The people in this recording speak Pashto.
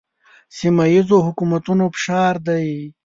سیمه ییزو حکومتونو فشار دی.